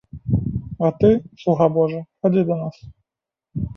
А ты, слуга божы, хадзі да нас.